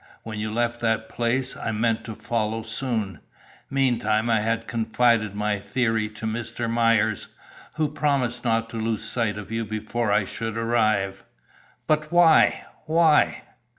When you left that place, I meant to follow soon. Meantime I had confided my theory to Mr. Myers, who promised not to lose sight of you before I should arrive." "But why? Why?"